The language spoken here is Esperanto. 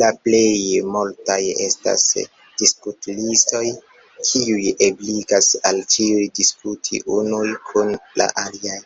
La plej multaj estas "diskut-listoj" kiuj ebligas al ĉiuj diskuti unuj kun la aliaj.